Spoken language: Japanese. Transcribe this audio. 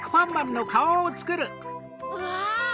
うわ！